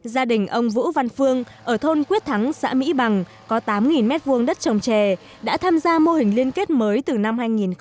gia đình ông vũ văn phương ở thôn quyết thắng xã mỹ bằng có tám m hai đất trồng trè đã tham gia mô hình liên kết mới từ năm hai nghìn một mươi